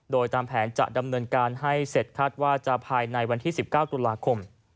โดยตามแผนจะดำเนินการให้เสร็จคาดว่าจะภายในวันที่๑๙ตุลาคม